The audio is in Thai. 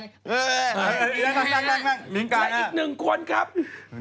พี่พฤษฐานเชิญนะฮะหญิงกลางหญิงกลางหญิงกลางต้องไปรับข้างโน้นน่ะไหม